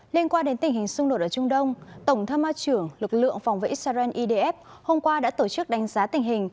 liên quan đến tình hình xung đột ở trung đông tổng tham ma trưởng lực lượng phòng vệ israel idf hôm qua đã tổ chức đánh giá tình hình